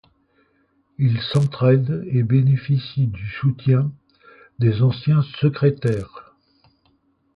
Il s'entraident et bénéficient du soutien des anciens secrétaires.